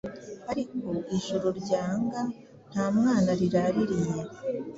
ariko Ijuru ryanga Nta mwana yaraririye,